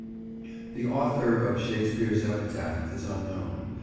The author of Shakespeare's epitaph is unknown.